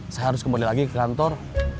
saya harus kembali lagi ke kantor